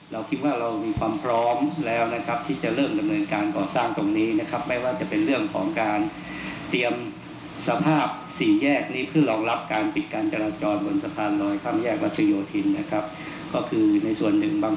และก็มีการลื้อยัดสวิฟาที่อยู่ในเขตทางอะไรออกมา